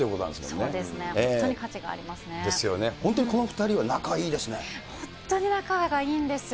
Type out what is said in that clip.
そうですね、ですよね、本当にこの２人は本当に仲がいいんですよ。